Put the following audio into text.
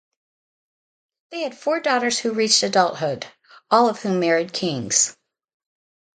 They had four daughters who reached adulthood, all of whom married kings.